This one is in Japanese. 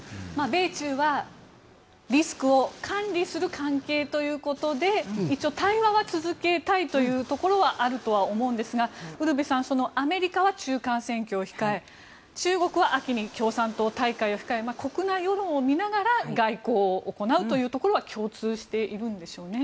米中はリスクを管理する関係ということで一応対話は続けたいというところはあると思うんですがウルヴェさんアメリカは中間選挙を控え中国は秋に共産党大会を控え国内世論を見ながら外交を行うというところは共通しているんでしょうね。